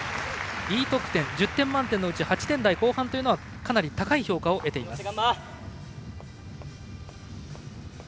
Ｅ得点１０点満点のうち８点台後半というのはかなり高い評価を得ています。